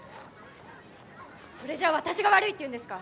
それじゃあ私が悪いって言うんですか！？